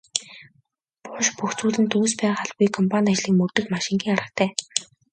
Буш бүх зүйл нь төгс байх албагүй компанит ажлыг мөрдөх маш энгийн аргатай.